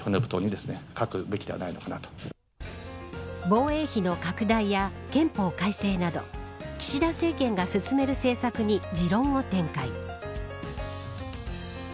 防衛費の拡大や憲法改正など岸田政権が進める政策に持論を展開。